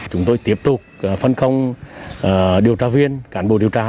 chúng tôi tiếp tục phân công điều tra viên cán bộ điều tra